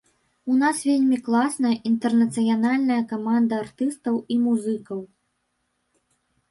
У нас вельмі класная інтэрнацыянальная каманда артыстаў і музыкаў.